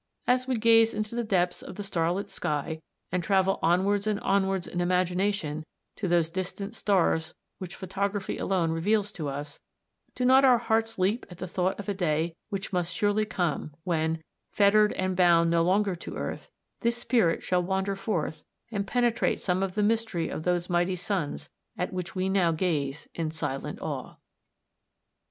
As we gaze into the depths of the starlit sky, and travel onwards and onwards in imagination to those distant stars which photography alone reveals to us, do not our hearts leap at the thought of a day which must surely come when, fettered and bound no longer to earth, this spirit shall wander forth and penetrate some of the mystery of those mighty suns at which we now gaze in silent awe.